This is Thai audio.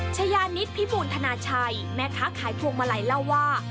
ชายานิดพิบูรณธนาชัยแม่ค้าขายพวงมาลัยเล่าว่า